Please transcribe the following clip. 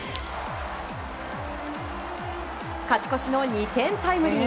勝ち越しの２点タイムリー。